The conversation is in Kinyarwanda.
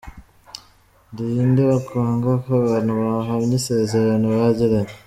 Ndi nde wakwanga ko abantu bahamya isezerano bagiranye?”.